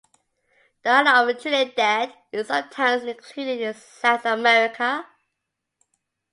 The island of Trinidad is sometimes included in South America.